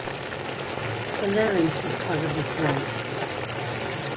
The larynx is part of the throat.